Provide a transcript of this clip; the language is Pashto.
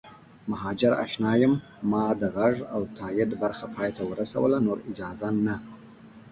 مهاجراشنا یم ما د غږ او تایید برخه پای ته ورسوله نور اجازه نه